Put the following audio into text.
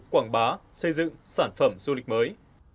quảng bá xây dựng sản phẩm du lịch mới